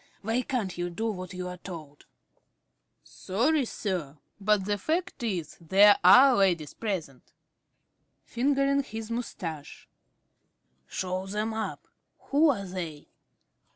Why can't you do what you're told? ~Jones.~ Sorry, sir, but the fact is there are ladies present. ~Smith~ (fingering his moustache). Show them up. Who are they?